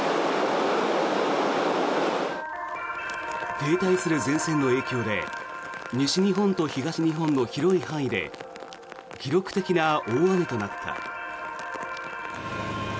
停滞する前線の影響で西日本と東日本の広い範囲で記録的な大雨となった。